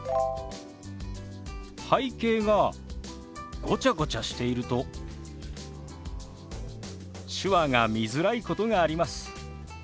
背景がごちゃごちゃしていると手話が見づらいことがあります。